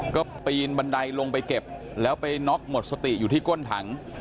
ก็ปีนบันไดลงไปเก็บแล้วไปน็อกหมดสติอยู่ที่ก้นถัง